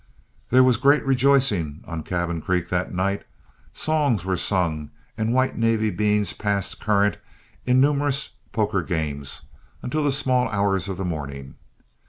There was great rejoicing on Cabin Creek that night. Songs were sung, and white navy beans passed current in numerous poker games until the small hours of morning.